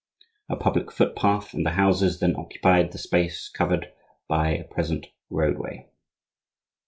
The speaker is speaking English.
A public footpath and the houses then occupied the space covered by the present roadway.